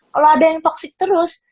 kalau ada yang toxic terus